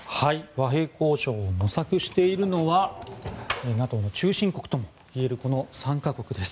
和平交渉を模索しているのはＮＡＴＯの中心国ともいえるこの３か国です。